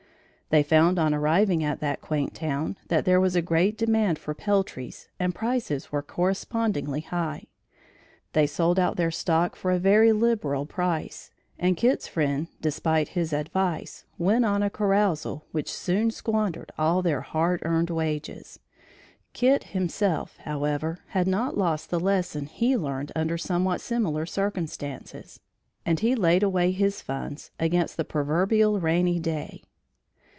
They found on arriving at that quaint town, that there was great demand for peltries and prices were correspondingly high. They sold out their stock for a very liberal price, and Kit's friend, despite his advice, went on a carousal which soon squandered all their hard earned wages. Kit himself, however, had not lost the lesson he learned under somewhat similar circumstances, and he laid away his funds, against the proverbial rainy day.